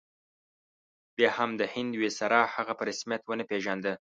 بیا هم د هند ویسرا هغه په رسمیت ونه پېژانده.